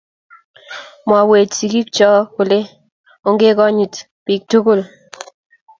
mwowech sigik cho kole ongekonyit biik tugul